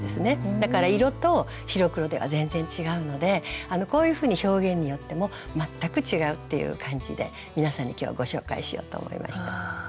だから色と白黒では全然違うのでこういうふうに表現によっても全く違うっていう感じで皆さんに今日はご紹介しようと思いました。